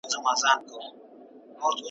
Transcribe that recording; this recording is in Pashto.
کشکي ستا پر لوڅ بدن وای ځلېدلی ,